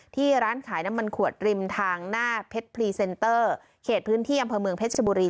ที่ร้านขายน้ำมันขวดริมทางหน้าเพชรพรีเซนเตอร์เขตพื้นที่อำเภอเมืองเพชรชบุรี